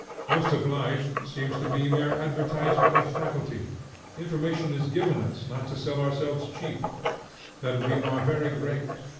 Most of life seems to be mere advertisement of faculty; information is given us not to sell ourselves cheap; that we are very great.